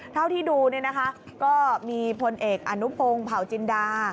เท่าที่ดูก็มีพลเอกอนุพงศ์เผาจินดา